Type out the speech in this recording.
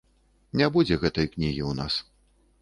Не будзе гэтай кнігі ў нас.